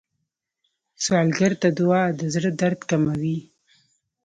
سوالګر ته دعا د زړه درد کموي